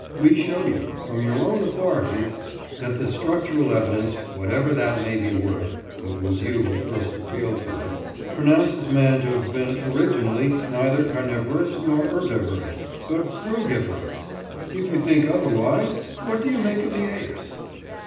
We show you, from your own authorities, that the structural evidence, whatever that may be worth (it was you who first appealed to it), pronounces man to have been originally neither carnivorous, nor herbivorous, but frugivorous. If you think otherwise, what do you make of the apes?